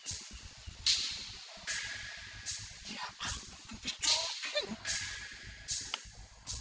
semua sekaligus saja berpisah